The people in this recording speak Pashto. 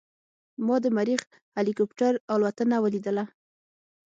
ما د مریخ هلیکوپټر الوتنه ولیدله.